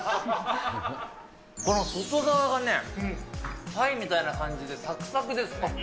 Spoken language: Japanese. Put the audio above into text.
この外側がね、パイみたいな感じでさくさくです。